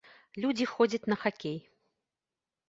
Людзі ходзяць на хакей.